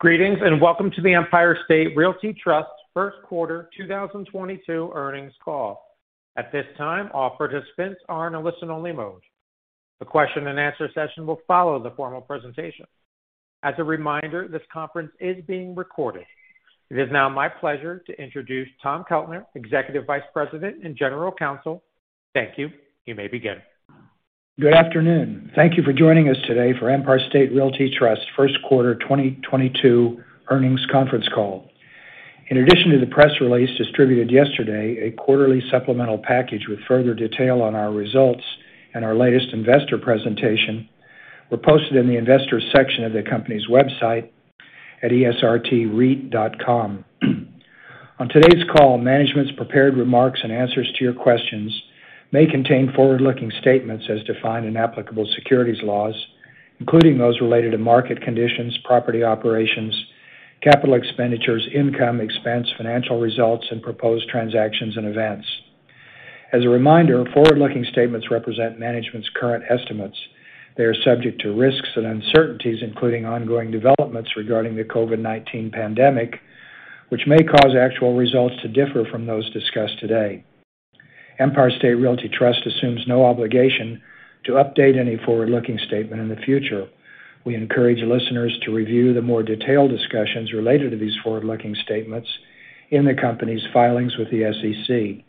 Greetings, and welcome to the Empire State Realty Trust Q1 2022 Earnings Call. At this time, all participants are in a listen-only mode. The question and answer session will follow the formal presentation. As a reminder, this conference is being recorded. It is now my pleasure to introduce Tom Keltner, Executive Vice President and General Counsel. Thank you. You may begin. Good afternoon. Thank you for joining us today for Empire State Realty Trust Q1 2022 earnings conference call. In addition to the press release distributed yesterday, a quarterly supplemental package with further detail on our results and our latest investor presentation were posted in the investors section of the company's website at esrtreit.com. On today's call, management's prepared remarks and answers to your questions may contain forward-looking statements as defined in applicable securities laws, including those related to market conditions, property operations, capital expenditures, income, expense, financial results, and proposed transactions and events. As a reminder, forward-looking statements represent management's current estimates. They are subject to risks and uncertainties, including ongoing developments regarding the COVID-19 pandemic, which may cause actual results to differ from those discussed today. Empire State Realty Trust assumes no obligation to update any forward-looking statement in the future. We encourage listeners to review the more detailed discussions related to these forward-looking statements in the company's filings with the SEC.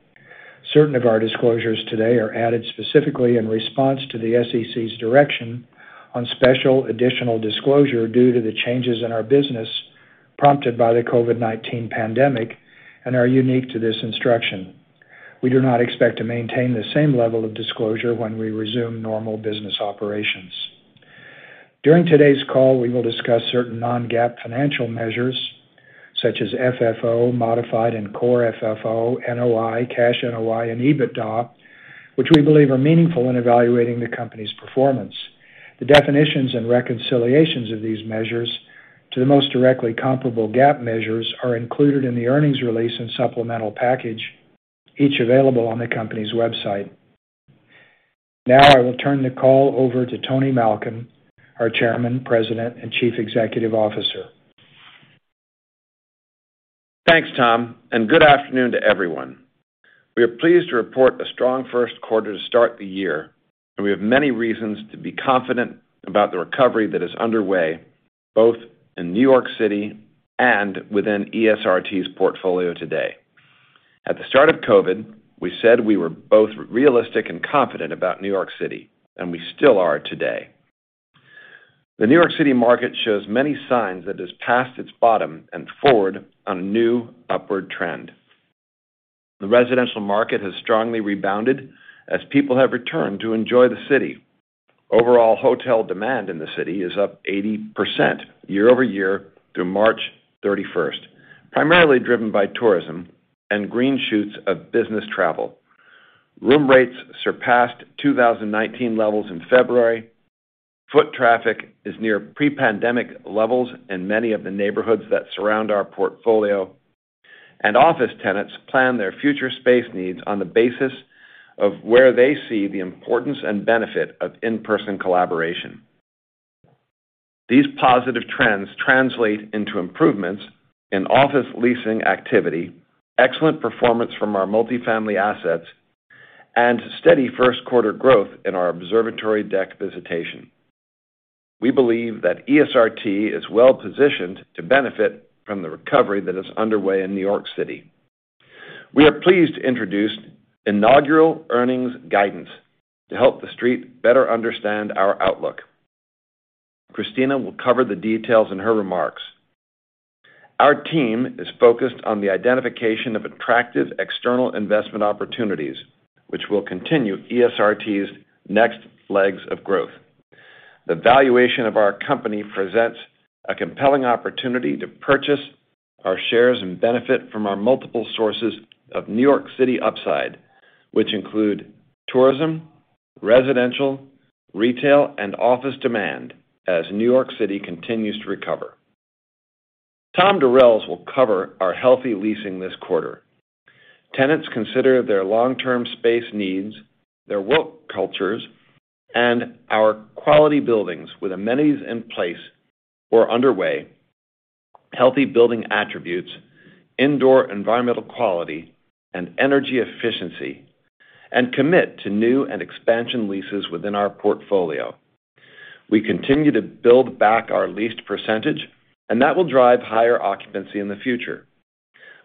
Certain of our disclosures today are added specifically in response to the SEC's direction on special additional disclosure due to the changes in our business prompted by the COVID-19 pandemic and are unique to this instruction. We do not expect to maintain the same level of disclosure when we resume normal business operations. During today's call, we will discuss certain non-GAAP financial measures such as FFO, modified and core FFO, NOI, cash NOI, and EBITDA, which we believe are meaningful in evaluating the company's performance. The definitions and reconciliations of these measures to the most directly comparable GAAP measures are included in the earnings release and supplemental package, each available on the company's website. Now I will turn the call over to Tony Malkin, our Chairman, President, and Chief Executive Officer. Thanks, Tom, and good afternoon to everyone. We are pleased to report a strong Q1 to start the year, and we have many reasons to be confident about the recovery that is underway, both in New York City and within ESRT's portfolio today. At the start of COVID, we said we were both realistic and confident about New York City, and we still are today. The New York City market shows many signs that it is past its bottom and forward on a new upward trend. The residential market has strongly rebounded as people have returned to enjoy the city. Overall hotel demand in the city is up 80% year-over-year through March 31st, primarily driven by tourism and green shoots of business travel. Room rates surpassed 2019 levels in February. Foot traffic is near pre-pandemic levels in many of the neighborhoods that surround our portfolio. Office tenants plan their future space needs on the basis of where they see the importance and benefit of in-person collaboration. These positive trends translate into improvements in office leasing activity, excellent performance from our multi-family assets, and steady Q1 growth in our observatory deck visitation. We believe that ESRT is well-positioned to benefit from the recovery that is underway in New York City. We are pleased to introduce inaugural earnings guidance to help the Street better understand our outlook. Christina will cover the details in her remarks. Our team is focused on the identification of attractive external investment opportunities, which will continue ESRT's next legs of growth. The valuation of our company presents a compelling opportunity to purchase our shares and benefit from our multiple sources of New York City upside, which include tourism, residential, retail, and office demand as New York City continues to recover. Tom Durels will cover our healthy leasing this quarter. Tenants consider their long-term space needs, their work cultures, and our quality buildings with amenities in place or underway, healthy building attributes, indoor environmental quality and energy efficiency, and commit to new and expansion leases within our portfolio. We continue to build back our leased percentage, and that will drive higher occupancy in the future.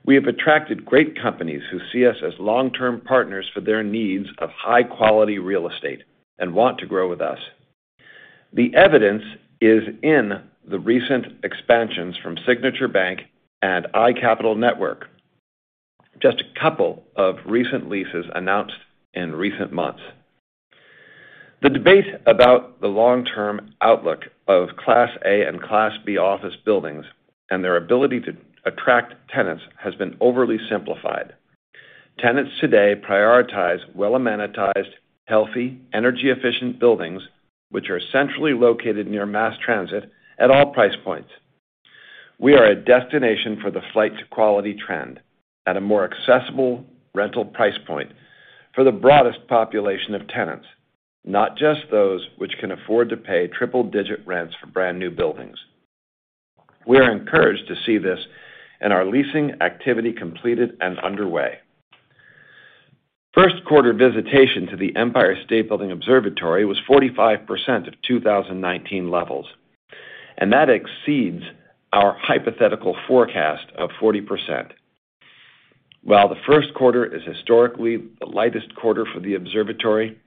We have attracted great companies who see us as long-term partners for their needs of high-quality real estate and want to grow with us. The evidence is in the recent expansions from Signature Bank and iCapital Network, just a couple of recent leases announced in recent months. The debate about the long-term outlook of Class A and Class B office buildings and their ability to attract tenants has been overly simplified. Tenants today prioritize well-amenitized, healthy, energy-efficient buildings, which are centrally located near mass transit at all price points. We are a destination for the flight to quality trend at a more accessible rental price point for the broadest population of tenants. Not just those which can afford to pay triple-digit rents for brand new buildings. We are encouraged to see this in our leasing activity completed and underway. Q1 visitation to the Empire State Building Observatory was 45% of 2019 levels, and that exceeds our hypothetical forecast of 40%. While the Q1 is historically the lightest quarter for the observatory,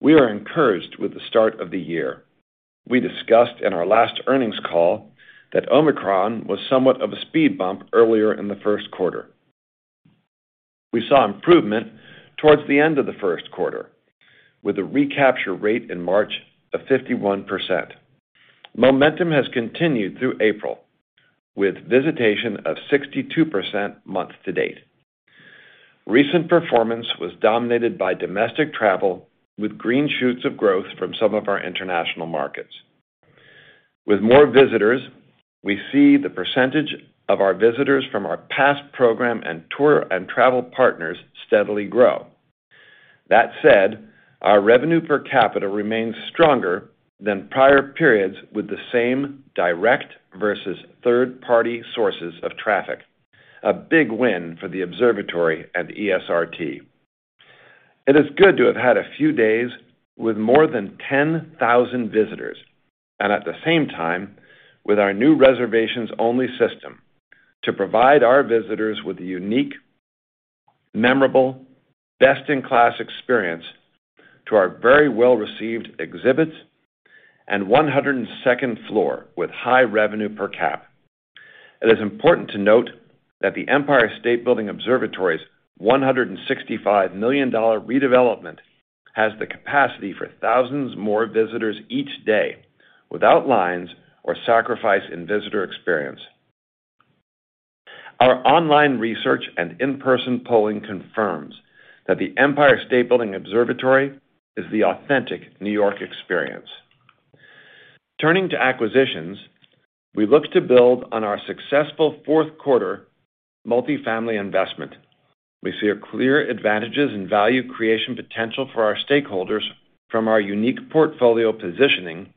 we are encouraged with the start of the year. We discussed in our last earnings call that Omicron was somewhat of a speed bump earlier in the Q1. We saw improvement towards the end of the Q1, with a recapture rate in March of 51%. Momentum has continued through April, with visitation of 62% month to date. Recent performance was dominated by domestic travel, with green shoots of growth from some of our international markets. With more visitors, we see the percentage of our visitors from our past program and tour and travel partners steadily grow. That said, our revenue per capita remains stronger than prior periods with the same direct versus third-party sources of traffic, a big win for the observatory and ESRT. It is good to have had a few days with more than 10,000 visitors and at the same time, with our new reservations-only system to provide our visitors with a unique, memorable, best-in-class experience to our very well-received exhibits and 102nd floor with high revenue per cap. It is important to note that the Empire State Building Observatory's $165 million redevelopment has the capacity for thousands more visitors each day without lines or sacrifice in visitor experience. Our online research and in-person polling confirms that the Empire State Building Observatory is the authentic New York experience. Turning to acquisitions, we look to build on our successful Q4 multifamily investment. We see a clear advantage in value creation potential for our stakeholders from our unique portfolio positioning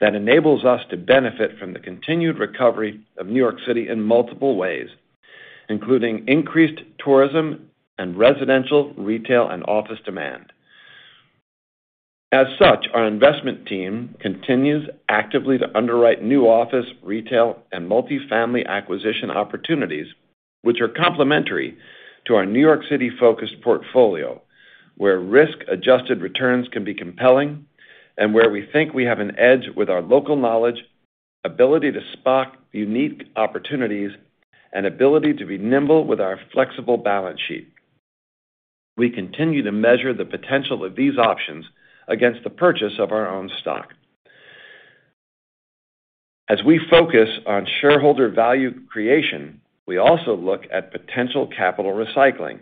that enables us to benefit from the continued recovery of New York City in multiple ways, including increased tourism and residential, retail, and office demand. As such, our investment team continues actively to underwrite new office, retail, and multifamily acquisition opportunities, which are complementary to our New York City-focused portfolio, where risk-adjusted returns can be compelling and where we think we have an edge with our local knowledge, ability to spot unique opportunities, and ability to be nimble with our flexible balance sheet. We continue to measure the potential of these options against the purchase of our own stock. As we focus on shareholder value creation, we also look at potential capital recycling.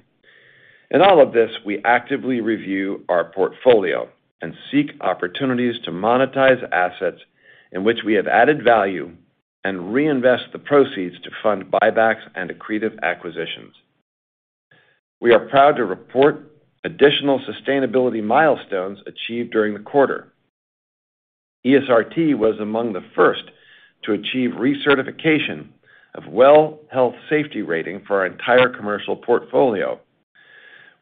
In all of this, we actively review our portfolio and seek opportunities to monetize assets in which we have added value and reinvest the proceeds to fund buybacks and accretive acquisitions. We are proud to report additional sustainability milestones achieved during the quarter. ESRT was among the first to achieve recertification of WELL Health-Safety Rating for our entire commercial portfolio.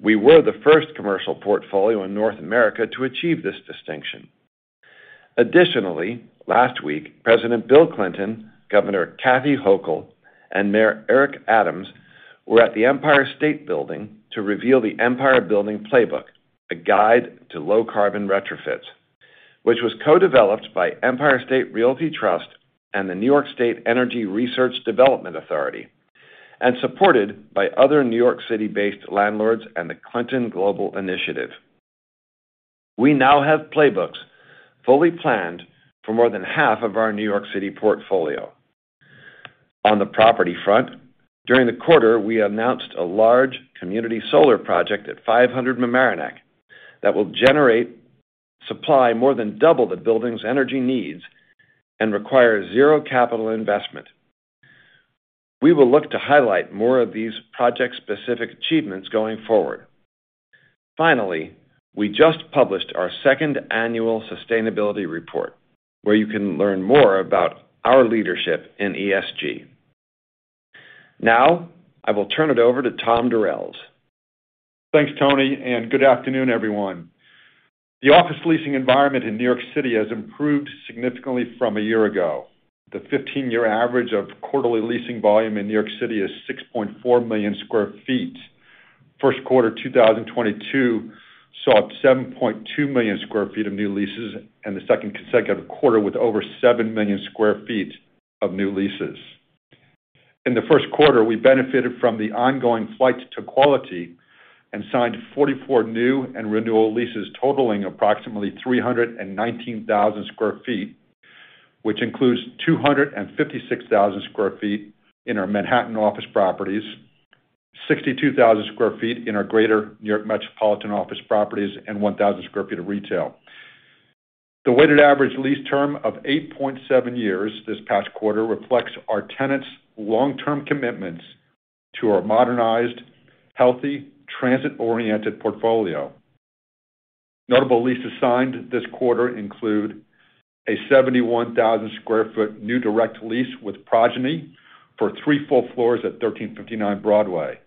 We were the first commercial portfolio in North America to achieve this distinction. Additionally, last week, President Bill Clinton, Governor Kathy Hochul, and Mayor Eric Adams were at the Empire State Building to reveal the Empire Building Playbook, a guide to low carbon retrofits, which was co-developed by Empire State Realty Trust and the New York State Energy Research and Development Authority, and supported by other New York City-based landlords and the Clinton Global Initiative. We now have playbooks fully planned for more than half of our New York City portfolio. On the property front, during the quarter, we announced a large community solar project at 500 Mamaroneck that will supply more than double the building's energy needs and require 0 capital investment. We will look to highlight more of these project-specific achievements going forward. Finally, we just published our second annual sustainability report, where you can learn more about our leadership in ESG. Now, I will turn it over to Tom Durels. Thanks, Tony, and good afternoon, everyone. The office leasing environment in New York City has improved significantly from a year ago. The 15-year average of quarterly leasing volume in New York City is 6.4 million sq ft. Q1 2022 saw 7.2 million sq ft of new leases and the second consecutive quarter with over 7 million sq ft of new leases. In the Q1, we benefited from the ongoing flight to quality and signed 44 new and renewal leases totaling approximately 319,000 sq ft, which includes 256,000 sq ft in our Manhattan office properties, 62,000 sq ft in our Greater New York Metropolitan office properties, and 1,000 sq ft of retail. The weighted average lease term of 8.7 years this past quarter reflects our tenants' long-term commitments to our modernized, healthy, transit-oriented portfolio. Notable leases signed this quarter include a 71,000 sq ft new direct lease with Progyny for three full floors at 1359 Broadway.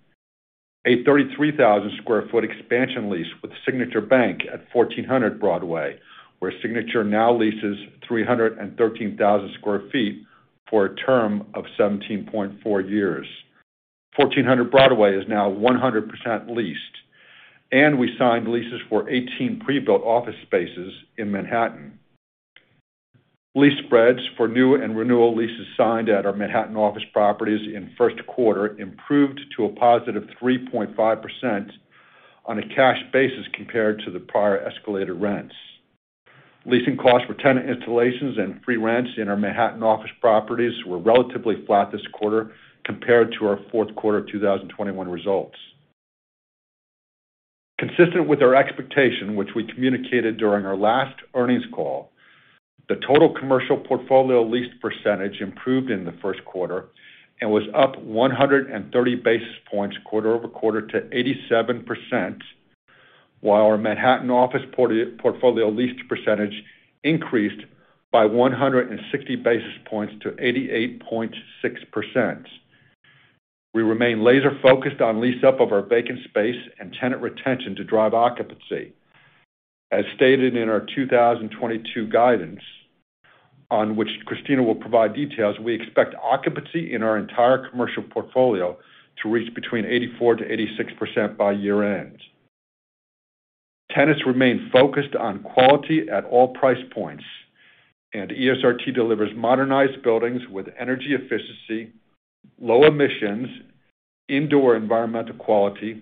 A 33,000 sq ft expansion lease with Signature Bank at 1400 Broadway, where Signature now leases 313,000 sq ft for a term of 17.4 years. 1400 Broadway is now 100% leased, and we signed leases for 18 pre-built office spaces in Manhattan. Lease spreads for new and renewal leases signed at our Manhattan office properties in Q1 improved to a positive 3.5% on a cash basis compared to the prior escalator rents. Leasing costs for tenant installations and free rents in our Manhattan office properties were relatively flat this quarter compared to our Q4 of 2021 results. Consistent with our expectation, which we communicated during our last earnings call, the total commercial portfolio leased percentage improved in the Q1 and was up 130 basis points quarter-over-quarter to 87%, while our Manhattan office portfolio leased percentage increased by 160 basis points to 88.6%. We remain laser focused on lease up of our vacant space and tenant retention to drive occupancy. As stated in our 2022 guidance, on which Christina will provide details, we expect occupancy in our entire commercial portfolio to reach between 84%-86% by year-end. Tenants remain focused on quality at all price points, and ESRT delivers modernized buildings with energy efficiency, low emissions, indoor environmental quality,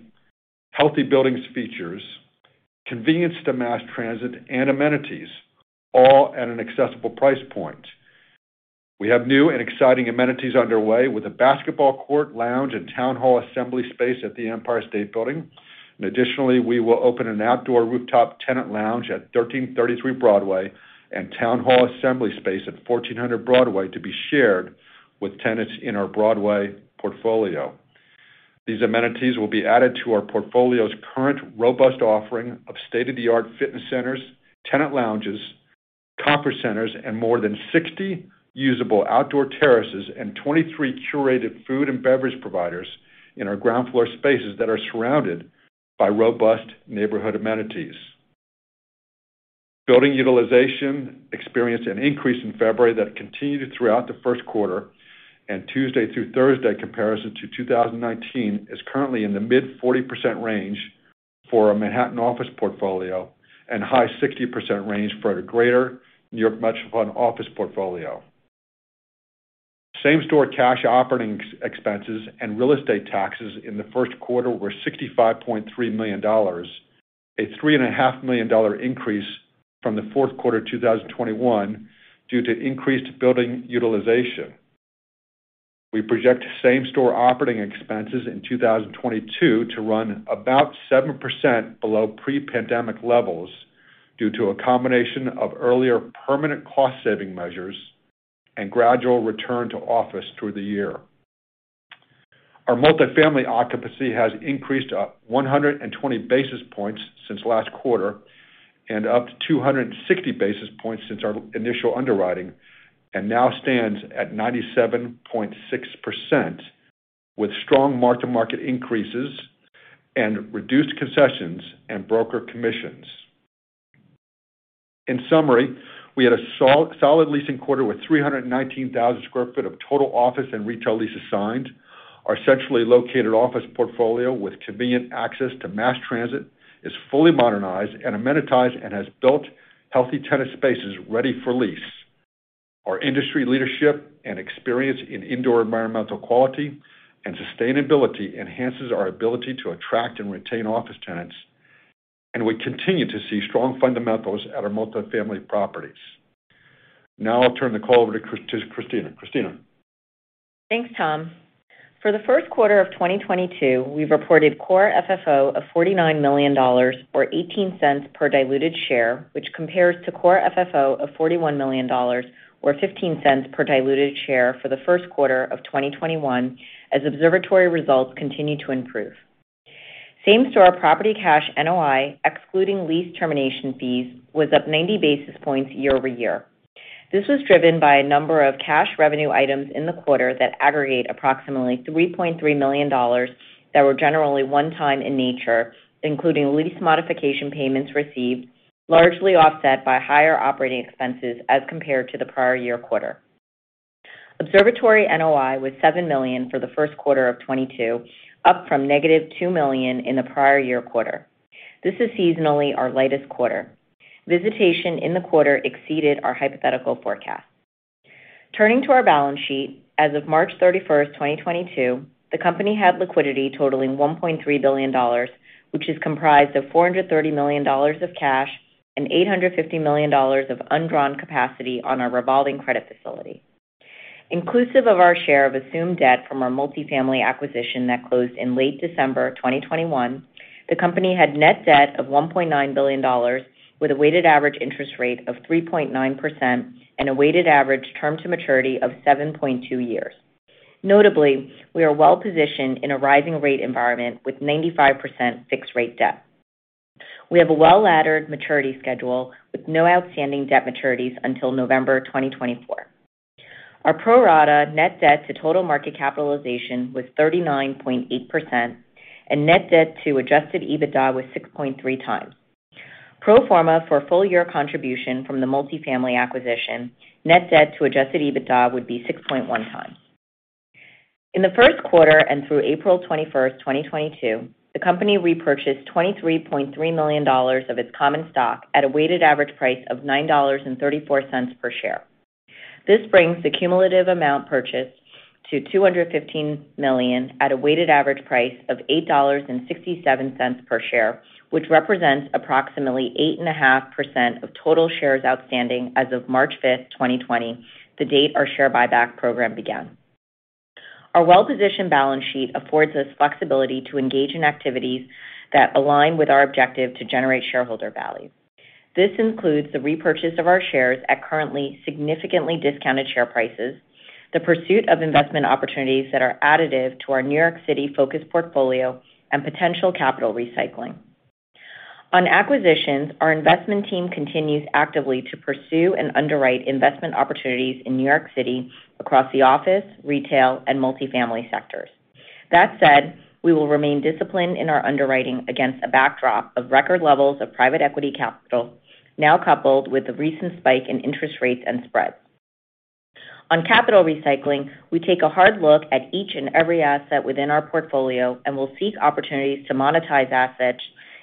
healthy buildings features, convenience to mass transit, and amenities, all at an accessible price point. We have new and exciting amenities underway with a basketball court, lounge, and town hall assembly space at the Empire State Building. Additionally, we will open an outdoor rooftop tenant lounge at 1333 Broadway and town hall assembly space at 1400 Broadway to be shared with tenants in our Broadway portfolio. These amenities will be added to our portfolio's current robust offering of state-of-the-art fitness centers, tenant lounges, conference centers, and more than 60 usable outdoor terraces and 23 curated food and beverage providers in our ground floor spaces that are surrounded by robust neighborhood amenities. Building utilization experienced an increase in February that continued throughout the Q1, and Tuesday through Thursday comparison to 2019 is currently in the mid-40% range for our Manhattan office portfolio and high-60% range for our Greater New York Metropolitan office portfolio. Same-store cash operating expenses and real estate taxes in the Q1 were $65.3 million, a $3.5 million increase from the Q4 2021 due to increased building utilization. We project same-store operating expenses in 2022 to run about 7% below pre-pandemic levels due to a combination of earlier permanent cost-saving measures and gradual return to office through the year. Our multifamily occupancy has increased 120 basis points since last quarter and up 260 basis points since our initial underwriting and now stands at 97.6% with strong mark-to-market increases and reduced concessions and broker commissions. In summary, we had a solid leasing quarter with 319,000 sq ft of total office and retail leases signed. Our centrally located office portfolio with convenient access to mass transit is fully modernized and amenitized and has built healthy tenant spaces ready for lease. Our industry leadership and experience in indoor environmental quality and sustainability enhances our ability to attract and retain office tenants, and we continue to see strong fundamentals at our multifamily properties. Now I'll turn the call over to Christina. Thanks, Tom. For the Q1 of 2022, we've reported core FFO of $49 million or $0.18 per diluted share, which compares to core FFO of $41 million or $0.15 per diluted share for the Q1 of 2021 as Observatory results continue to improve. Same-store property cash NOI, excluding lease termination fees, was up 90 basis points year-over-year. This was driven by a number of cash revenue items in the quarter that aggregate approximately $3.3 million that were generally one-time in nature, including lease modification payments received, largely offset by higher operating expenses as compared to the prior year quarter. Observatory NOI was $7 million for the Q1 of 2022, up from -$2 million in the prior year quarter. This is seasonally our lightest quarter. Visitation in the quarter exceeded our hypothetical forecast. Turning to our balance sheet, as of March 31, 2022, the company had liquidity totaling $1.3 billion, which is comprised of $430 million of cash and $850 million of undrawn capacity on our revolving credit facility. Inclusive of our share of assumed debt from our multifamily acquisition that closed in late December 2021, the company had net debt of $1.9 billion, with a weighted average interest rate of 3.9% and a weighted average term to maturity of 7.2 years. Notably, we are well-positioned in a rising rate environment with 95% fixed rate debt. We have a well-laddered maturity schedule with no outstanding debt maturities until November 2024. Our pro rata net debt to total market capitalization was 39.8% and net debt to adjusted EBITDA was 6.3 times. Pro forma for full year contribution from the multifamily acquisition, net debt to adjusted EBITDA would be 6.1x. In the Q1 and through April 21, 2022, the company repurchased $23.3 million of its common stock at a weighted average price of $9.34 per share. This brings the cumulative amount purchased to $215 million at a weighted average price of $8.67 per share, which represents approximately 8.5% of total shares outstanding as of March 5, 2020, the date our share buyback program began. Our well-positioned balance sheet affords us flexibility to engage in activities that align with our objective to generate shareholder value. This includes the repurchase of our shares at currently significantly discounted share prices, the pursuit of investment opportunities that are additive to our New York City focused portfolio, and potential capital recycling. On acquisitions, our investment team continues actively to pursue and underwrite investment opportunities in New York City across the office, retail, and multifamily sectors. That said, we will remain disciplined in our underwriting against a backdrop of record levels of private equity capital, now coupled with the recent spike in interest rates and spreads. On capital recycling, we take a hard look at each and every asset within our portfolio and will seek opportunities to monetize assets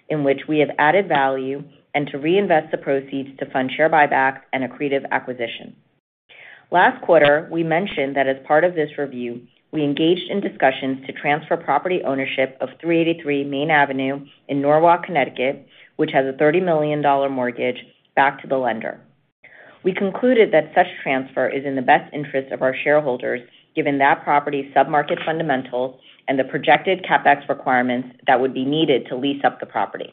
in which we have added value and to reinvest the proceeds to fund share buybacks and accretive acquisitions. Last quarter, we mentioned that as part of this review, we engaged in discussions to transfer property ownership of 383 Main Avenue in Norwalk, Connecticut, which has a $30 million mortgage back to the lender. We concluded that such transfer is in the best interest of our shareholders, given that property's submarket fundamentals and the projected CapEx requirements that would be needed to lease up the property.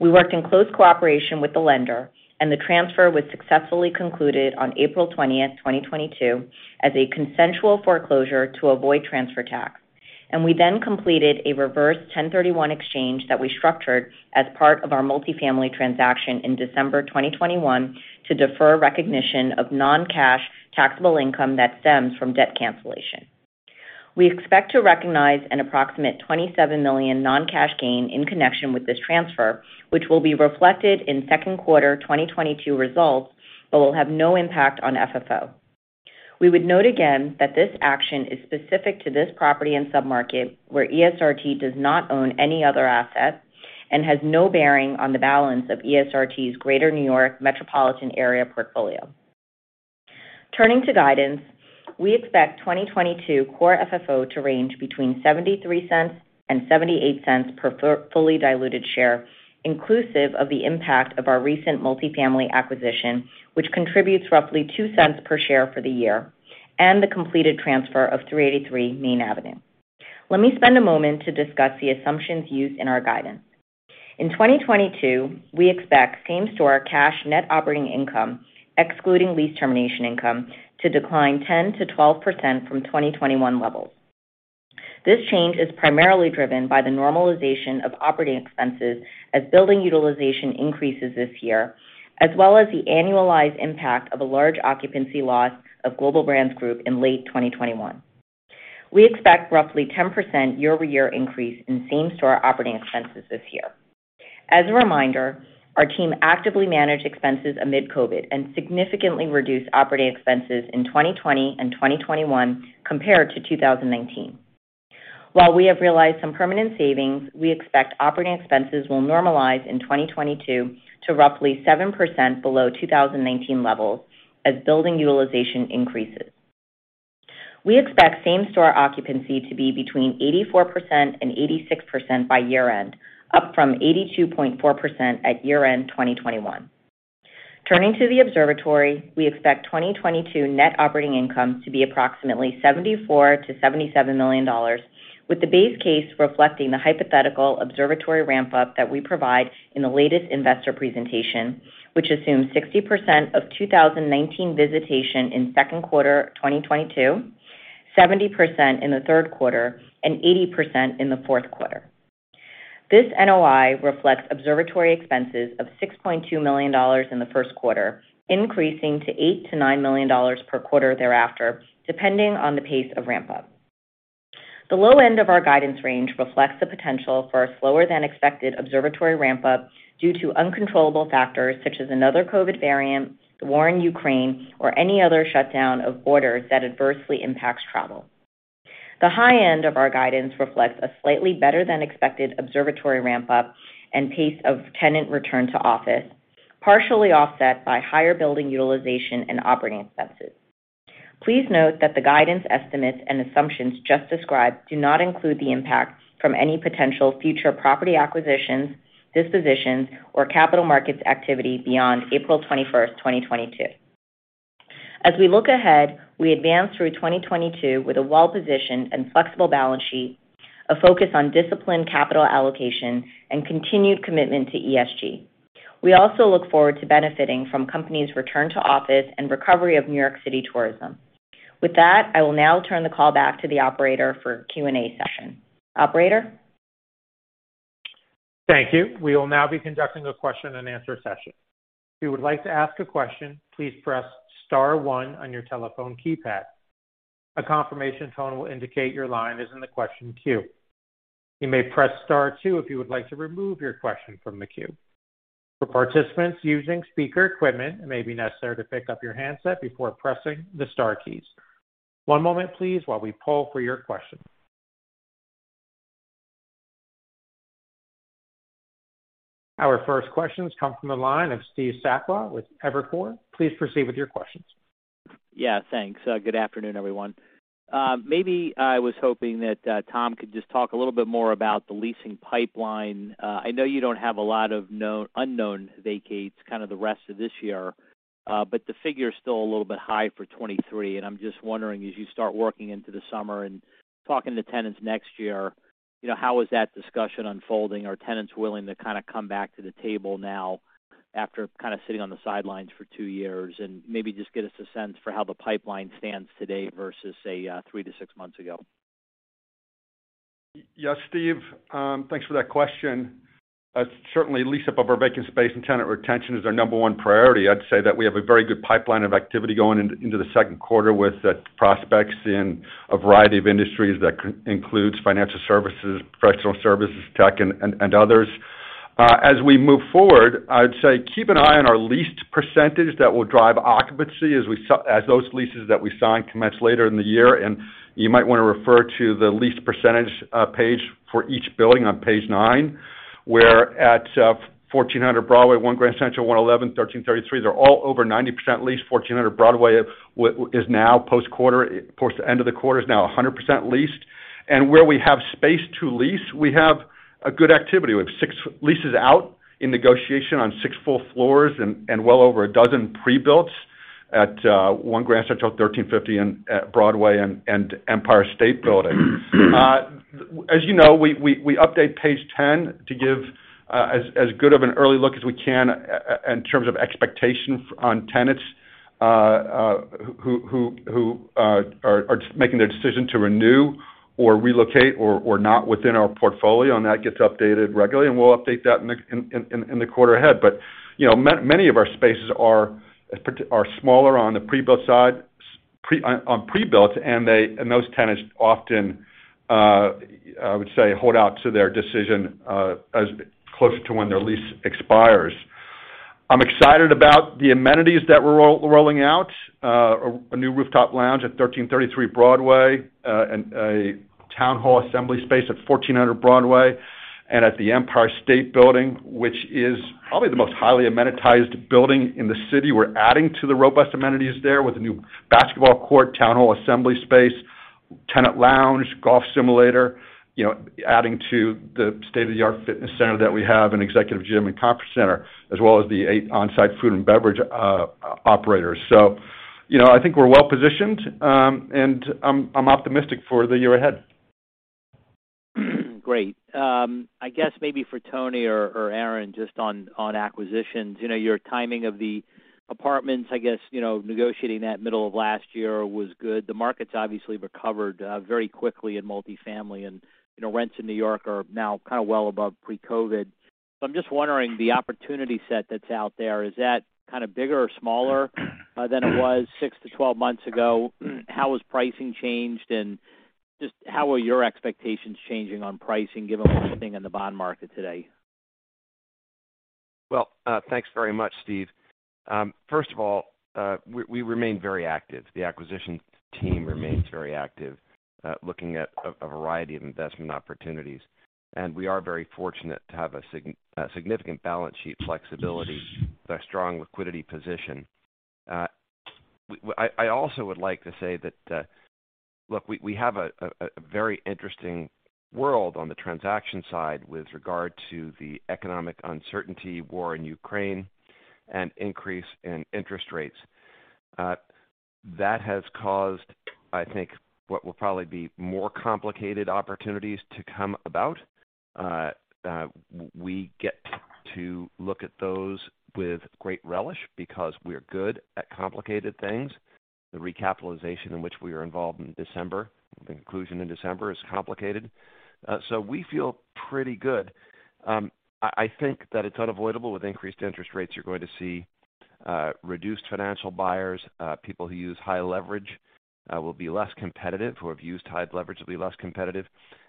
We worked in close cooperation with the lender, and the transfer was successfully concluded on April 20, 2022, as a consensual foreclosure to avoid transfer tax. We then completed a reverse 1031 exchange that we structured as part of our multifamily transaction in December 2021 to defer recognition of non-cash taxable income that stems from debt cancellation. We expect to recognize an approximate $27 million non-cash gain in connection with this transfer, which will be reflected in Q2 2022 results, but will have no impact on FFO. We would note again that this action is specific to this property and submarket, where ESRT does not own any other assets and has no bearing on the balance of ESRT's Greater New York metropolitan area portfolio. Turning to guidance, we expect 2022 core FFO to range between $0.73 and $0.78 per fully diluted share, inclusive of the impact of our recent multifamily acquisition, which contributes roughly $0.02 per share for the year, and the completed transfer of 383 Main Avenue. Let me spend a moment to discuss the assumptions used in our guidance. In 2022, we expect same store cash net operating income, excluding lease termination income, to decline 10%-12% from 2021 levels. This change is primarily driven by the normalization of operating expenses as building utilization increases this year, as well as the annualized impact of a large occupancy loss of Global Brands Group in late 2021. We expect roughly 10% year-over-year increase in same store operating expenses this year. As a reminder, our team actively managed expenses amid COVID and significantly reduced operating expenses in 2020 and 2021 compared to 2019. While we have realized some permanent savings, we expect operating expenses will normalize in 2022 to roughly 7% below 2019 levels as building utilization increases. We expect same store occupancy to be between 84% and 86% by year-end, up from 82.4% at year-end 2021. Turning to the Observatory, we expect 2022 net operating income to be approximately $74 million-$77 million, with the base case reflecting the hypothetical Observatory ramp-up that we provide in the latest investor presentation, which assumes 60% of 2019 visitation in Q2 2022, 70% in the Q3, and 80% in the Q4. This NOI reflects Observatory expenses of $6.2 million in the Q1, increasing to $8 million-$9 million per quarter thereafter, depending on the pace of ramp-up. The low end of our guidance range reflects the potential for a slower than expected Observatory ramp-up due to uncontrollable factors such as another COVID variant, the war in Ukraine, or any other shutdown of borders that adversely impacts travel. The high end of our guidance reflects a slightly better than expected Observatory ramp-up and pace of tenant return to office, partially offset by higher building utilization and operating expenses. Please note that the guidance estimates and assumptions just described do not include the impacts from any potential future property acquisitions, dispositions, or capital markets activity beyond April 21, 2022. As we look ahead, we advance through 2022 with a well-positioned and flexible balance sheet, a focus on disciplined capital allocation, and continued commitment to ESG. We also look forward to benefiting from companies' return to office and recovery of New York City tourism. With that, I will now turn the call back to the operator for Q&A session. Operator? Thank you. We will now be conducting a question and answer session. If you would like to ask a question, please press star one on your telephone keypad. A confirmation tone will indicate your line is in the question queue. You may press star two if you would like to remove your question from the queue. For participants using speaker equipment, it may be necessary to pick up your handset before pressing the star keys. One moment please while we poll for your question. Our first questions come from the line of Steve Sakwa with Evercore. Please proceed with your questions. Yeah, thanks. Good afternoon, everyone. Maybe I was hoping that, Tom could just talk a little bit more about the leasing pipeline. I know you don't have a lot of unknown vacates kind of the rest of this year, but the figure is still a little bit high for 2023, and I'm just wondering, as you start working into the summer and talking to tenants next year, you know, how is that discussion unfolding? Are tenants willing to kinda come back to the table now after kind of sitting on the sidelines for two years? Maybe just give us a sense for how the pipeline stands today versus, say, three-six months ago. Yes, Steve. Thanks for that question. Certainly lease up of our vacant space and tenant retention is our number one priority. I'd say that we have a very good pipeline of activity going into the Q2 with the prospects in a variety of industries that includes financial services, professional services, tech and others. As we move forward, I'd say keep an eye on our leased percentage that will drive occupancy as those leases that we sign commence later in the year, and you might wanna refer to the leased percentage page for each building on page nine, where at 1400 Broadway, One Grand Central, 111, 1333, they're all over 90% leased. 1400 Broadway is now post quarter, of course, the end of the quarter is now 100% leased. Where we have space to lease, we have a good activity. We have six leases out in negotiation on six full floors and well over a dozen prebuilt at One Grand Central, 1350 Broadway and Empire State Building. As you know, we update page 10 to give as good of an early look as we can in terms of expectations on tenants who are making their decision to renew or relocate or not within our portfolio, and that gets updated regularly, and we'll update that in the quarter ahead. You know, many of our spaces are smaller on the pre-built side, on pre-built, and those tenants often, I would say, hold out to their decision, as closer to when their lease expires. I'm excited about the amenities that we're rolling out. A new rooftop lounge at 1333 Broadway, and a town hall assembly space at 1400 Broadway, and at the Empire State Building, which is probably the most highly amenitized building in the city. We're adding to the robust amenities there with a new basketball court, town hall assembly space, tenant lounge, golf simulator, you know, adding to the state-of-the-art fitness center that we have an executive gym and conference center, as well as the 8 on-site food and beverage operators. you know, I think we're well positioned, and I'm optimistic for the year ahead. Great. I guess maybe for Tony or Aaron, just on acquisitions. You know, your timing of the apartments, I guess, you know, negotiating that middle of last year was good. The markets obviously recovered very quickly in multi-family and, you know, rents in New York are now kind of well above pre-COVID. I'm just wondering, the opportunity set that's out there, is that kind of bigger or smaller than it was six-12 months ago? How has pricing changed, and just how are your expectations changing on pricing given what's happening in the bond market today? Well, thanks very much, Steve. First of all, we remain very active. The acquisition team remains very active, looking at a variety of investment opportunities, and we are very fortunate to have a significant balance sheet flexibility with a strong liquidity position. I also would like to say that we have a very interesting world on the transaction side with regard to the economic uncertainty, war in Ukraine and increase in interest rates. That has caused, I think, what will probably be more complicated opportunities to come about. We get to look at those with great relish because we're good at complicated things. The recapitalization in which we are involved in December, the conclusion in December is complicated. We feel pretty good. I think that it's unavoidable with increased interest rates, you're going to see reduced financial buyers. People who use high leverage will be less competitive,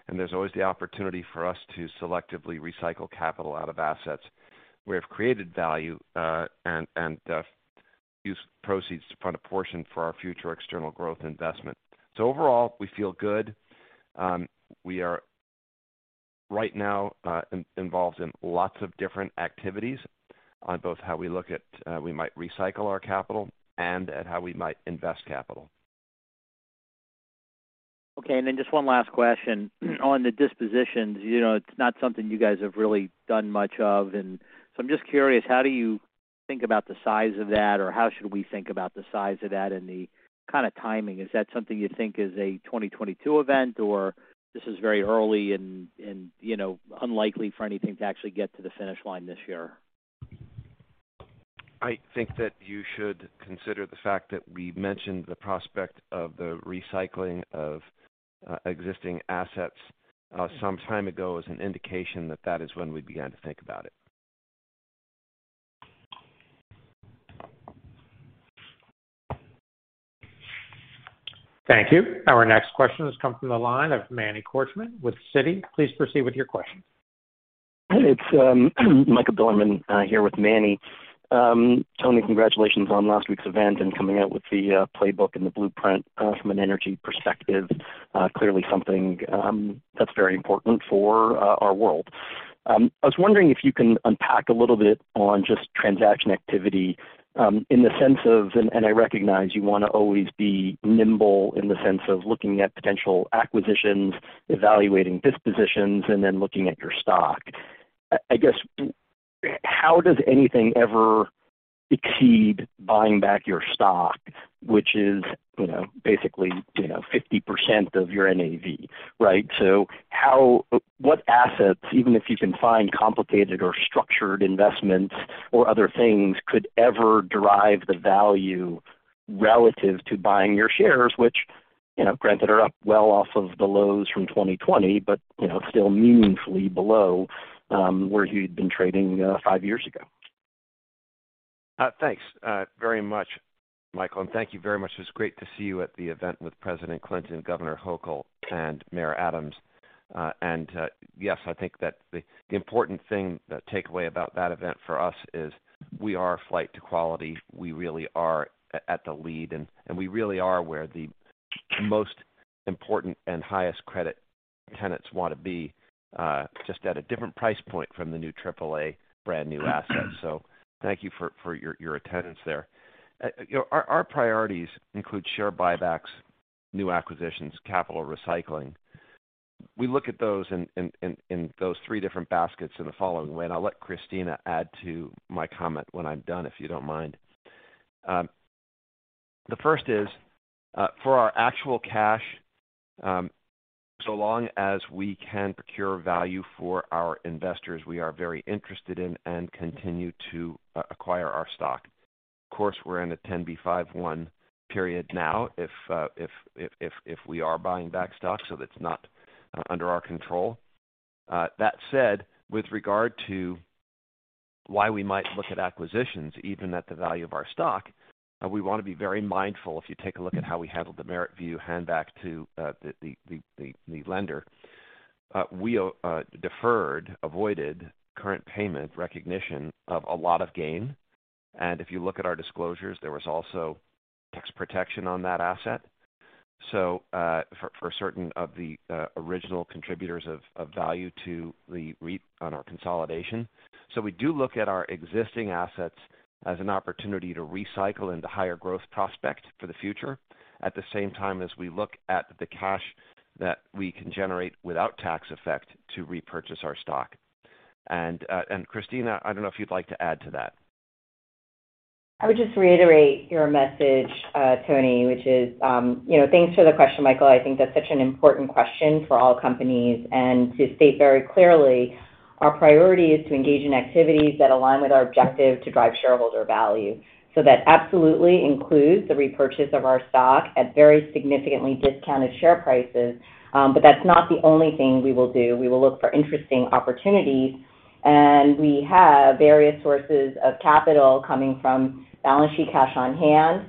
and there's always the opportunity for us to selectively recycle capital out of assets where we've created value, and use proceeds to fund a portion for our future external growth investment. Overall, we feel good. We are right now involved in lots of different activities on both how we might recycle our capital and how we might invest capital. Okay. Just one last question. On the dispositions, you know, it's not something you guys have really done much of, and so I'm just curious, how do you think about the size of that or how should we think about the size of that and the kinda timing? Is that something you think is a 2022 event, or this is very early and, you know, unlikely for anything to actually get to the finish line this year? I think that you should consider the fact that we mentioned the prospect of the recycling of existing assets some time ago as an indication that that is when we began to think about it. Thank you. Our next question has come from the line of Manny Korchman with Citi. Please proceed with your question. It's Michael Bilerman here with Manny. Tony, congratulations on last week's event and coming out with the playbook and the blueprint from an energy perspective. Clearly something that's very important for our world. I was wondering if you can unpack a little bit on just transaction activity, in the sense of, and I recognize you wanna always be nimble in the sense of looking at potential acquisitions, evaluating dispositions, and then looking at your stock. I guess how does anything ever exceed buying back your stock, which is, you know, basically, you know, 50% of your NAV, right? What assets, even if you can find complicated or structured investments or other things, could ever derive the value relative to buying your shares, which, you know, granted are up well off of the lows from 2020, but, you know, still meaningfully below where you'd been trading five years ago. Thanks, very much, Michael, and thank you very much. It was great to see you at the event with President Clinton, Governor Hochul, and Mayor Adams. Yes, I think that the important thing, the takeaway about that event for us is we are flight to quality. We really are at the lead, and we really are where the most important and highest credit tenants wanna be, just at a different price point from the new triple A brand new asset. So thank you for your attendance there. You know, our priorities include share buybacks, new acquisitions, capital recycling. We look at those in those three different baskets in the following way, and I'll let Christina add to my comment when I'm done, if you don't mind. The first is, for our actual cash, so long as we can procure value for our investors, we are very interested in and continue to acquire our stock. Of course, we're in a 10b5-1 period now, if we are buying back stock, so that's not under our control. That said, with regard to why we might look at acquisitions, even at the value of our stock, we wanna be very mindful. If you take a look at how we handled the MerrittView hand back to the lender, we deferred, avoided current payment recognition of a lot of gain. If you look at our disclosures, there was also tax protection on that asset. For certain of the original contributors of value to the REIT on our consolidation. We do look at our existing assets as an opportunity to recycle into higher growth prospect for the future, at the same time as we look at the cash that we can generate without tax effect to repurchase our stock. Christina, I don't know if you'd like to add to that. Thanks for the question, Michael. I think that's such an important question for all companies. To state very clearly, our priority is to engage in activities that align with our objective to drive shareholder value. That absolutely includes the repurchase of our stock at very significantly discounted share prices, but that's not the only thing we will do. We will look for interesting opportunities, and we have various sources of capital coming from balance sheet cash on hand,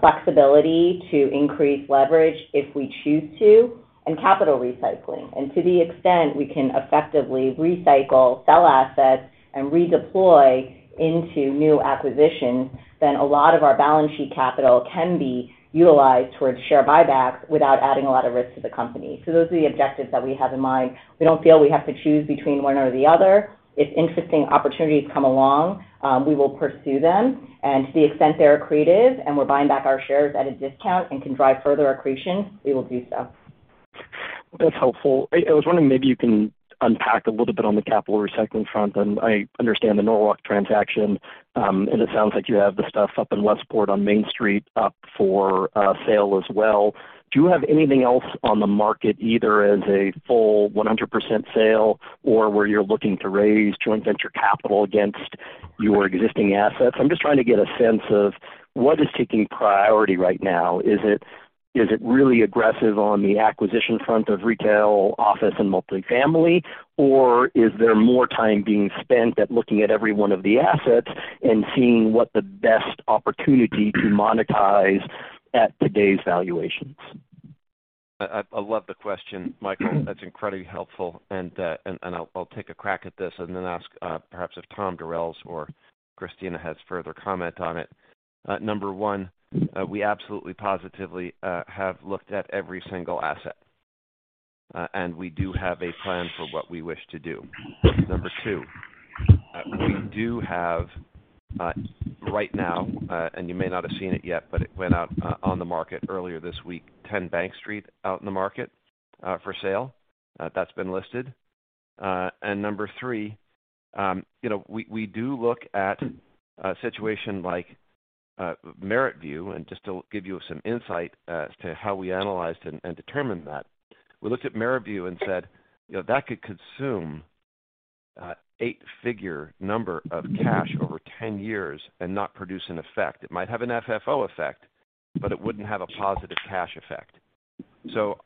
flexibility to increase leverage if we choose to, and capital recycling. To the extent we can effectively recycle, sell assets, and redeploy into new acquisitions, then a lot of our balance sheet capital can be utilized towards share buybacks without adding a lot of risk to the company. Those are the objectives that we have in mind. We don't feel we have to choose between one or the other. If interesting opportunities come along, we will pursue them. To the extent they're accretive and we're buying back our shares at a discount and can drive further accretion, we will do so. That's helpful. I was wondering maybe you can unpack a little bit on the capital recycling front. I understand the Norwalk transaction, and it sounds like you have the stuff up in Norwalk on Main Street up for sale as well. Do you have anything else on the market, either as a full 100% sale or where you're looking to raise joint venture capital against your existing assets? I'm just trying to get a sense of what is taking priority right now. Is it really aggressive on the acquisition front of retail, office, and multifamily, or is there more time being spent on looking at every one of the assets and seeing what the best opportunity to monetize at today's valuations? I love the question, Michael. That's incredibly helpful. I'll take a crack at this and then ask perhaps if Tom Durels or Christina has further comment on it. Number one, we absolutely, positively have looked at every single asset. And we do have a plan for what we wish to do. Number two, we do have right now, and you may not have seen it yet, but it went out on the market earlier this week, Ten Bank Street out in the market for sale. That's been listed. Number three, you know, we do look at a situation like MerrittView. Just to give you some insight as to how we analyzed and determined that, we looked at MerrittView and said, "You know, that could consume eight-figure number of cash over 10 years and not produce an effect. It might have an FFO effect, but it wouldn't have a positive cash effect."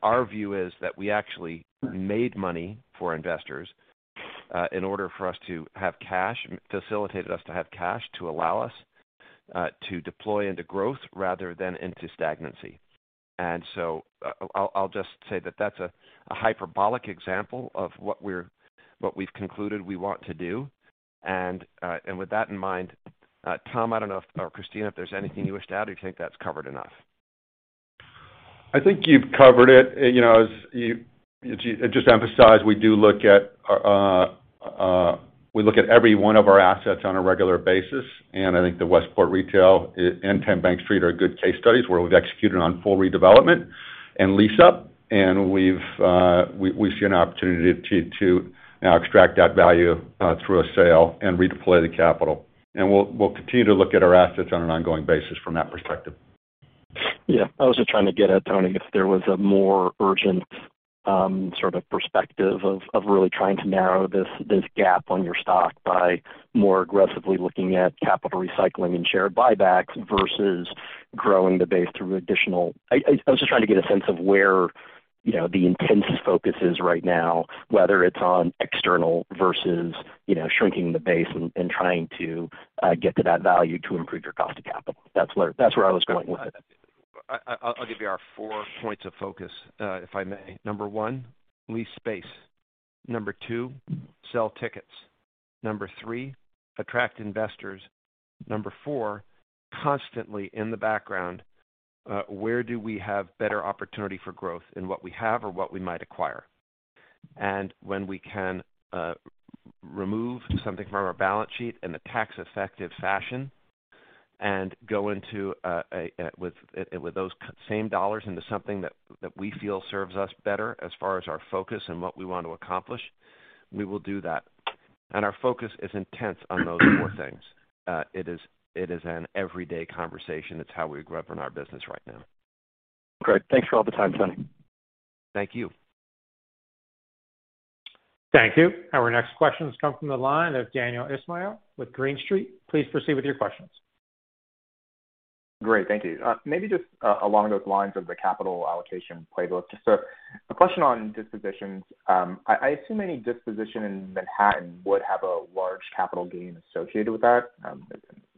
Our view is that we actually made money for investors in order for us to have cash, facilitate us to have cash to allow us to deploy into growth rather than into stagnancy. I'll just say that that's a hyperbolic example of what we've concluded we want to do. With that in mind, Tom, I don't know if or Christina, if there's anything you wish to add or you think that's covered enough. I think you've covered it. You know, just to emphasize, we do look at every one of our assets on a regular basis, and I think the Westport Retail and Ten Bank Street are good case studies where we've executed on full redevelopment and lease up. We've seen an opportunity to now extract that value through a sale and redeploy the capital. We'll continue to look at our assets on an ongoing basis from that perspective. Yeah. I was just trying to get at, Tony, if there was a more urgent sort of perspective of really trying to narrow this gap on your stock by more aggressively looking at capital recycling and share buybacks versus growing the base through additional. I was just trying to get a sense of where, you know, the intense focus is right now, whether it's on external versus, you know, shrinking the base and trying to get to that value to improve your cost of capital. That's where I was going with it. I'll give you our four points of focus, if I may. Number one, lease space. Number two, sell tickets. Number three, attract investors. Number four, constantly in the background, where do we have better opportunity for growth in what we have or what we might acquire? When we can, remove something from our balance sheet in a tax effective fashion and go into, a, with those same dollars into something that we feel serves us better as far as our focus and what we want to accomplish, we will do that. Our focus is intense on those four things. It is an everyday conversation. It's how we run our business right now. Great. Thanks for all the time, Tony. Thank you. Thank you. Our next question comes from the line of Daniel Ismail with Green Street. Please proceed with your questions. Great. Thank you. Maybe just, along those lines of the capital allocation playbook, just a question on dispositions. I assume any disposition in Manhattan would have a large capital gain associated with that.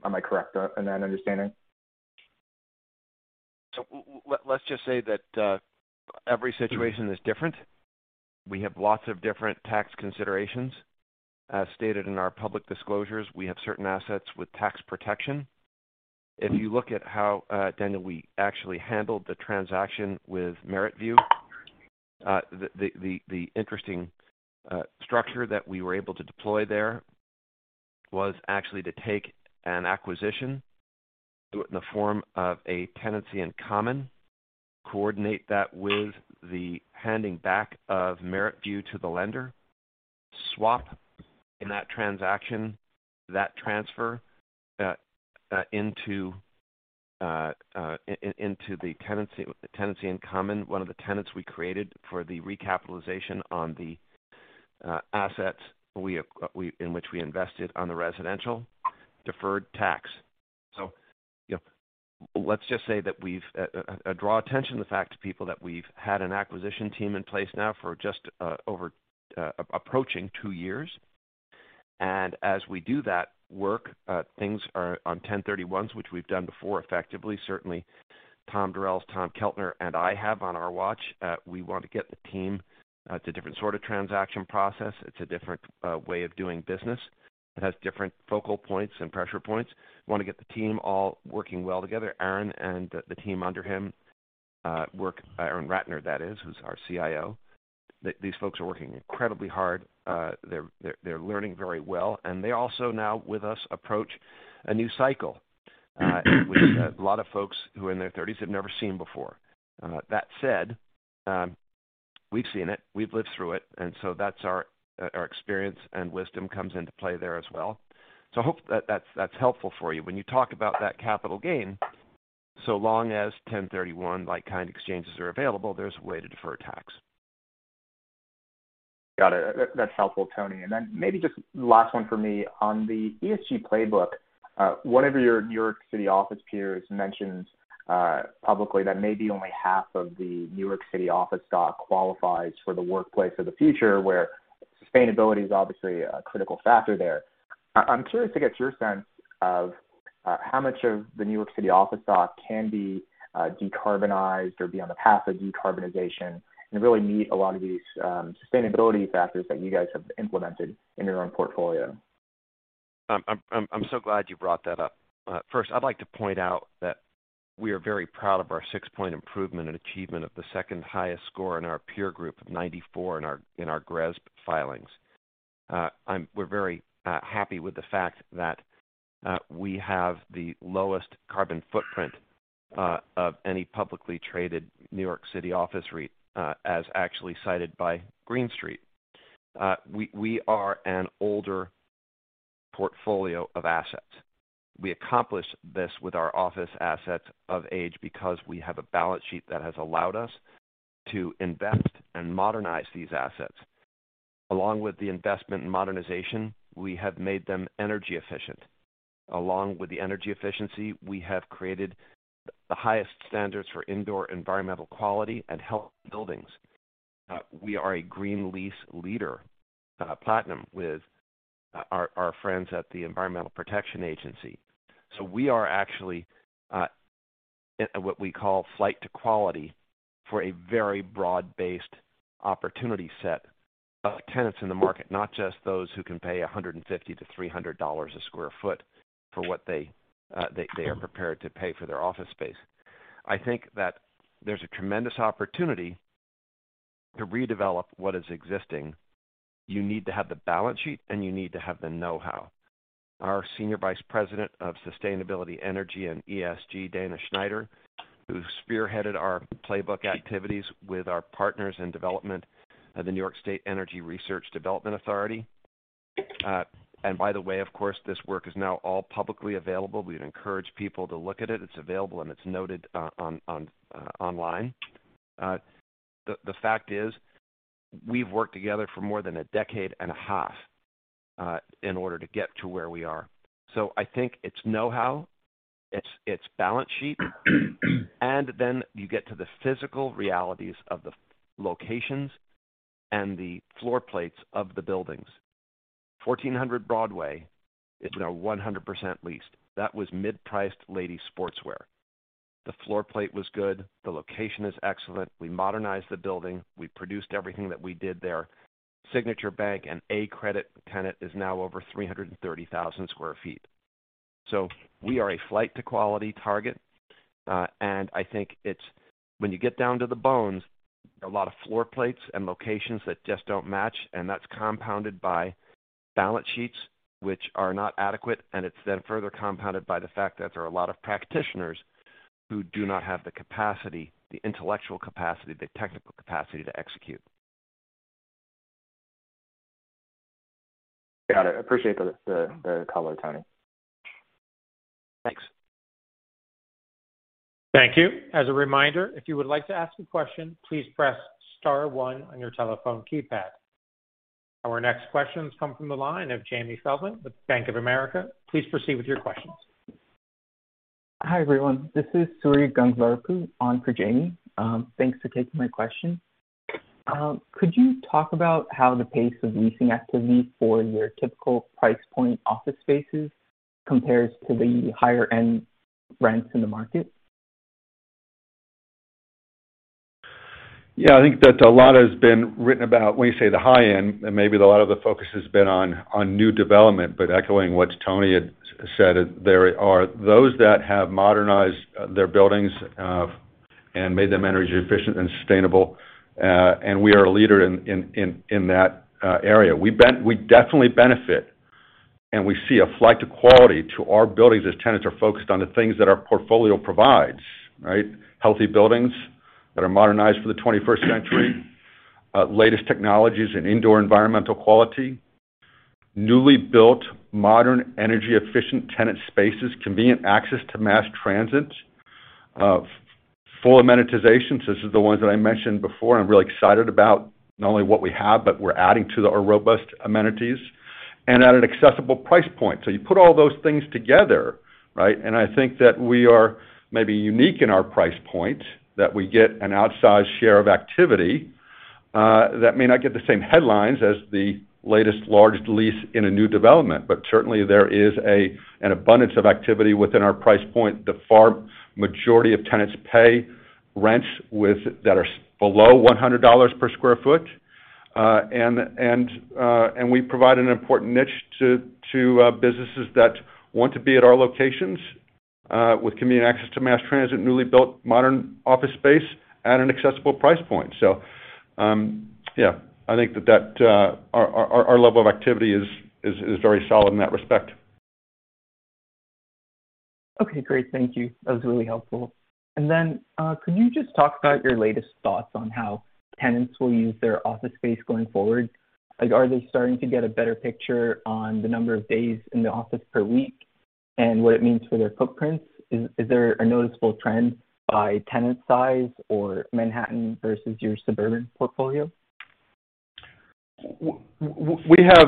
Am I correct in that understanding? Let's just say that every situation is different. We have lots of different tax considerations. As stated in our public disclosures, we have certain assets with tax protection. If you look at how, Daniel, we actually handled the transaction with MerrittView, the interesting structure that we were able to deploy there was actually to take an acquisition, do it in the form of a tenancy in common, coordinate that with the handing back of MerrittView to the lender, swap in that transaction that transfer into the tenancy in common, one of the tenants we created for the recapitalization on the assets in which we invested in the residential deferred tax. You know, let's just say that we've drawn attention to the fact to people that we've had an acquisition team in place now for just over approaching two years. As we do that work, things are on 1031s, which we've done before effectively. Certainly Tom Durels, Tom Keltner, and I have on our watch. We want to get the team. It's a different sort of transaction process. It's a different way of doing business. It has different focal points and pressure points. We want to get the team all working well together. Aaron and the team under him, Aaron Ratner, that is, who's our CIO. These folks are working incredibly hard. They're learning very well, and they also now with us approach a new cycle, which a lot of folks who are in their thirties have never seen before. That said, we've seen it, we've lived through it, and that's our experience and wisdom comes into play there as well. I hope that's helpful for you. When you talk about that capital gain, so long as 1031 like-kind exchanges are available, there's a way to defer tax. Got it. That's helpful, Tony. Maybe just last one for me. On the ESG playbook, one of your New York City office peers mentioned publicly that maybe only half of the New York City office stock qualifies for the workplace of the future, where sustainability is obviously a critical factor there. I'm curious to get your sense of how much of the New York City office stock can be decarbonized or be on the path of decarbonization and really meet a lot of these sustainability factors that you guys have implemented in your own portfolio. I'm so glad you brought that up. First, I'd like to point out that we are very proud of our 6-point improvement and achievement of the second highest score in our peer group of 94 in our GRESB filings. We're very happy with the fact that we have the lowest carbon footprint of any publicly traded New York City office REIT, as actually cited by Green Street. We are an older portfolio of assets. We accomplish this with our office assets of age because we have a balance sheet that has allowed us to invest and modernize these assets. Along with the investment and modernization, we have made them energy efficient. Along with the energy efficiency, we have created the highest standards for indoor environmental quality and health buildings. We are a green lease leader, platinum with our friends at the Environmental Protection Agency. We are actually what we call flight to quality for a very broad-based opportunity set of tenants in the market, not just those who can pay $150-$300 a sq ft for what they are prepared to pay for their office space. I think that there's a tremendous opportunity to redevelop what is existing. You need to have the balance sheet, and you need to have the know-how. Our Senior Vice President of Sustainability, Energy, and ESG, Dana Schneider, who spearheaded our playbook activities with our partners in development of the New York State Energy Research and Development Authority. By the way, of course, this work is now all publicly available. We'd encourage people to look at it. It's available, and it's noted online. The fact is, we've worked together for more than a decade and a half in order to get to where we are. I think it's know-how, it's balance sheet, and then you get to the physical realities of the locations and the floor plates of the buildings. 1400 Broadway is now 100% leased. That was mid-priced lady sportswear. The floor plate was good. The location is excellent. We modernized the building. We produced everything that we did there. Signature Bank, an A credit tenant, is now over 330,000 sq ft. We are a flight to quality target. I think it's when you get down to the bones, a lot of floor plates and locations that just don't match, and that's compounded by balance sheets which are not adequate, and it's then further compounded by the fact that there are a lot of practitioners who do not have the capacity, the intellectual capacity, the technical capacity to execute. Got it. Appreciate the color, Tony. Thanks. Thank you. As a reminder, if you would like to ask a question, please press star one on your telephone keypad. Our next questions come from the line of Jamie Feldman with Bank of America. Please proceed with your questions. Hi, everyone. This is Sai Gangarapu on for Jamie. Thanks for taking my question. Could you talk about how the pace of leasing activity for your typical price point office spaces compares to the higher-end rents in the market? Yeah, I think that a lot has been written about when you say the high end, and maybe a lot of the focus has been on new development. Echoing what Tony had said, there are those that have modernized their buildings and made them energy efficient and sustainable. We are a leader in that area. We definitely benefit, and we see a flight to quality to our buildings as tenants are focused on the things that our portfolio provides, right? Healthy buildings that are modernized for the twenty-first century, latest technologies in indoor environmental quality, newly built, modern, energy-efficient tenant spaces, convenient access to mass transit, full amenitizations. This is the ones that I mentioned before, and I'm really excited about not only what we have, but we're adding to our robust amenities and at an accessible price point. You put all those things together, right? I think that we are maybe unique in our price point, that we get an outsized share of activity, that may not get the same headlines as the latest largest lease in a new development. Certainly, there is an abundance of activity within our price point. The far majority of tenants pay rents with that are below $100 per sq ft. And we provide an important niche to businesses that want to be at our locations, with convenient access to mass transit, newly built modern office space at an accessible price point. Yeah, I think that our level of activity is very solid in that respect. Okay, great. Thank you. That was really helpful. Could you just talk about your latest thoughts on how tenants will use their office space going forward? Like, are they starting to get a better picture on the number of days in the office per week and what it means for their footprints? Is there a noticeable trend by tenant size or Manhattan versus your suburban portfolio? We have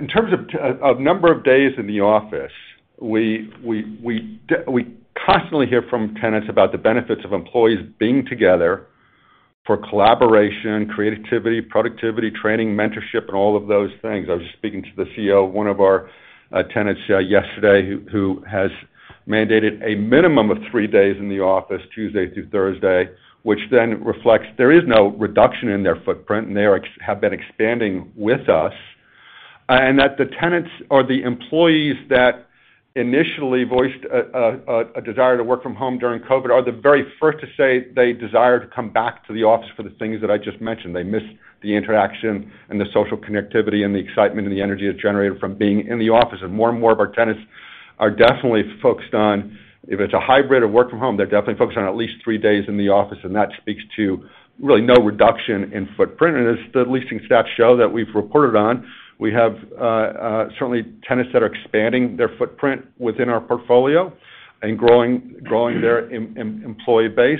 in terms of a number of days in the office. We constantly hear from tenants about the benefits of employees being together for collaboration, creativity, productivity, training, mentorship, and all of those things. I was just speaking to the CEO of one of our tenants yesterday, who has Mandated a minimum of three days in the office, Tuesday through Thursday, which then reflects there is no reduction in their footprint, and they have been expanding with us. That the tenants or the employees that initially voiced a desire to work from home during COVID are the very first to say they desire to come back to the office for the things that I just mentioned. They miss the interaction and the social connectivity and the excitement and the energy that's generated from being in the office. More and more of our tenants are definitely focused on if it's a hybrid of work from home, they're definitely focused on at least three days in the office, and that speaks to really no reduction in footprint. As the leasing stats show that we've reported on, we have certainly tenants that are expanding their footprint within our portfolio and growing their employee base.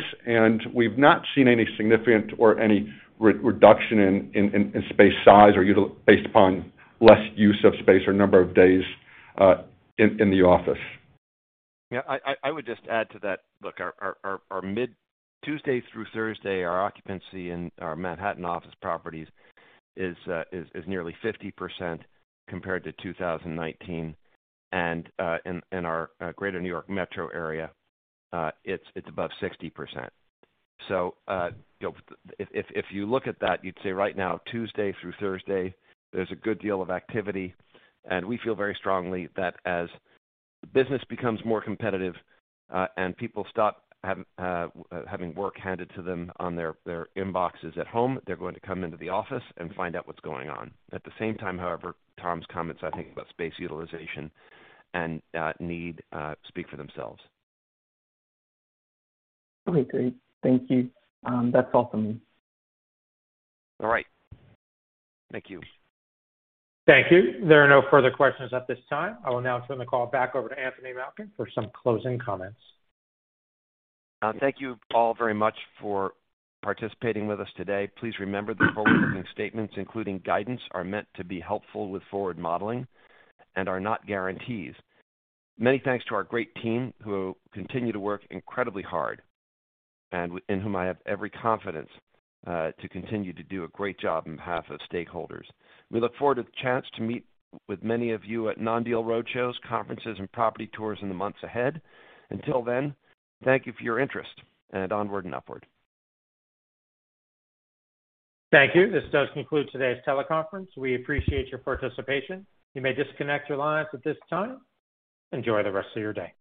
We've not seen any significant or any reduction in space size or utilization based upon less use of space or number of days in the office. Yeah, I would just add to that. Look, our mid Tuesday through Thursday, our occupancy in our Manhattan office properties is nearly 50% compared to 2019. In our greater New York metro area, it's above 60%. You know, if you look at that, you'd say right now, Tuesday through Thursday, there's a good deal of activity. We feel very strongly that as business becomes more competitive, and people stop having work handed to them on their inboxes at home, they're going to come into the office and find out what's going on. At the same time, however, Tom's comments, I think, about space utilization and need speak for themselves. Okay, great. Thank you. That's all for me. All right. Thank you. Thank you. There are no further questions at this time. I will now turn the call back over to Anthony Malkin for some closing comments. Thank you all very much for participating with us today. Please remember that forward-looking statements, including guidance, are meant to be helpful with forward modeling and are not guarantees. Many thanks to our great team who continue to work incredibly hard and in whom I have every confidence, to continue to do a great job on behalf of stakeholders. We look forward to the chance to meet with many of you at non-deal roadshows, conferences and property tours in the months ahead. Until then, thank you for your interest and onward and upward. Thank you. This does conclude today's teleconference. We appreciate your participation. You may disconnect your lines at this time. Enjoy the rest of your day.